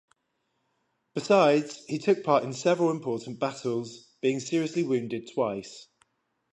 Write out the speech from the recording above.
Besides, he took part in several important battles, being seriously wounded twice.